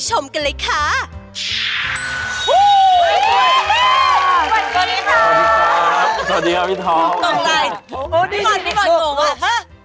ที่หม่อนเหมือนว่าหาฮะ